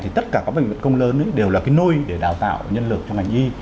thì tất cả các bệnh viện công lớn đều là cái nôi để đào tạo nhân lực cho ngành y